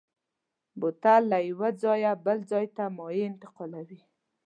بوتل له یو ځایه بل ته مایع انتقالوي.